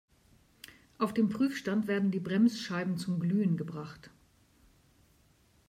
Auf dem Prüfstand werden die Bremsscheiben zum Glühen gebracht.